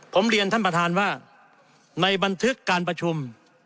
ผมเรียนท่านประธานว่าในบันทึกการประชุม